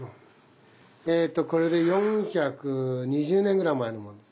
えっとこれで４２０年ぐらい前のものです。